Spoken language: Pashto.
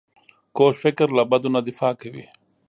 کوږ فکر له بدو نه دفاع کوي